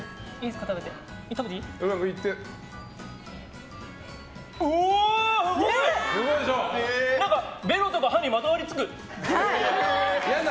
すごい！何かベロとか歯にまとわりつく！